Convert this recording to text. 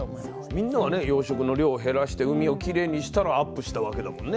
みんながね養殖の量を減らして海をきれいにしたらアップしたわけだもんね。